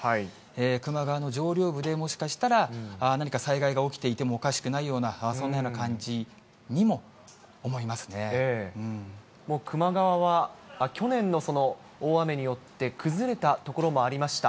球磨川の上流部で、もしかしたら何か災害が起きていてもおかしくないような、そんなもう球磨川は去年の大雨によって、崩れた所もありました。